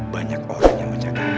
banyak orang yang menjaga bagi sekitar